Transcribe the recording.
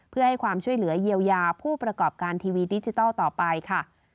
เพื่อให้ความช่วยเหลือเยียวยาผู้ประกอบการทีวีดิจิทัลต่อไปค่ะ